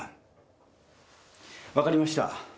分かりました。